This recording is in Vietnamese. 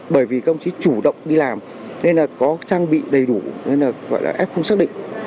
bởi vì các ông chí chủ động đi làm nên là có trang bị đầy đủ nên là gọi là f không xác định